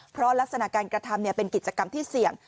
เพราะลักษณะการกระทำเป็นกิจกรรมที่เสี่ยง